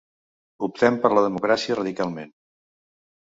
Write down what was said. Optem per la democràcia radicalment.